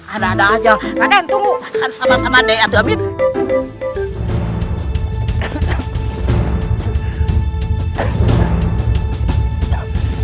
ada ada aja raden tunggu